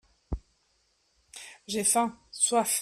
J'ai faim/soif.